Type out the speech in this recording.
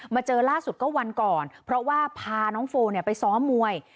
เจอล่าสุดก็วันก่อนเพราะว่าพาน้องโฟไปซ้อมมวย